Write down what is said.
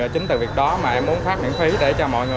chính từ việc đó mà em muốn phát miễn phí để cho mọi người